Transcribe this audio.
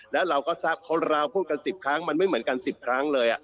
แล้วเราก็ทราบเราพูดกัน๑๐ครั้งมันไม่เหมือนกัน๑๐ครั้งเลย